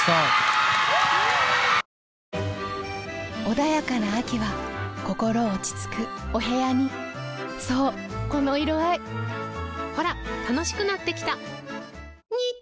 穏やかな秋は心落ち着くお部屋にそうこの色合いほら楽しくなってきた！